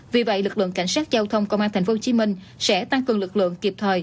vì vậy lực lượng cảnh sát giao thông công an tp hcm sẽ tăng cường lực lượng kịp thời